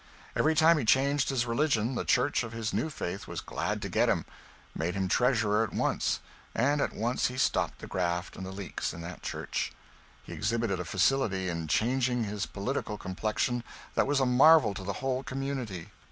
Every time he changed his religion the church of his new faith was glad to get him; made him treasurer at once, and at once he stopped the graft and the leaks in that church. He exhibited a facility in changing his political complexion that was a marvel to the whole community.